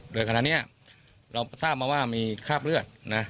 ด้วยขณะนะเราสร้างมาว่ามีคราพเลือด